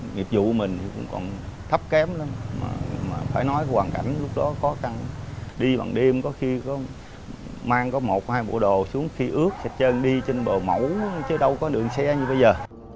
nhiệp vụ của mình còn thấp kém lắm phải nói hoàn cảnh lúc đó đi bằng đêm có khi mang có một hay hai bộ đồ xuống khi ướt sạch chân đi trên bờ mẫu chứ đâu có đường xe như bây giờ